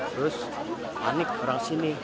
terus panik orang sini